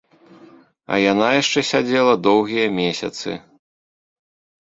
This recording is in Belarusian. А яна яшчэ сядзела доўгія месяцы.